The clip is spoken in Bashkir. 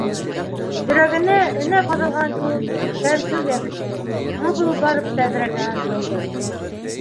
Йөрәгенә, энә ҡаҙалған кеүек, сәнсеү йәбеште, ҡапыл барып тәҙрәгә ынтылды.